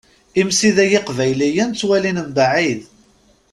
Imsidag iqbayliyen ttwalin mebɛid.